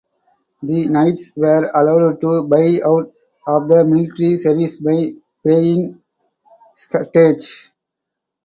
The knights were allowed to "buy out" of the military service by paying scutage.